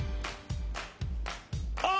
あっ！